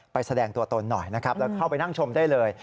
แสดงตัวตนหน่อยนะครับแล้วเข้าไปนั่งชมได้เลย